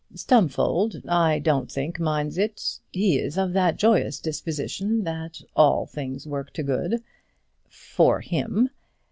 "Stumfold I don't think minds it; he is of that joyous disposition that all things work to good for him.